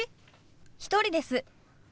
１人です。